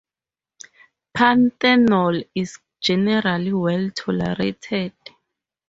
Panthenol is generally well tolerated.